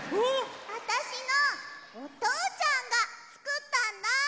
あたしのおとうちゃんがつくったんだ！